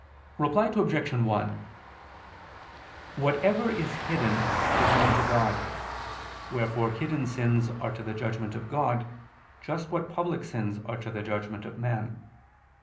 Reply Obj. 1: Whatever is hidden, is known to God, wherefore hidden sins are to the judgment of God, just what public sins are to the judgment of man.